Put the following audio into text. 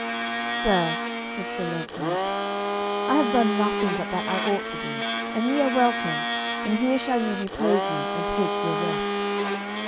"Sir," said Sir Launcelot, "I have done nothing but that I ought to do, and ye are welcome, and here shall ye repose you and take your rest."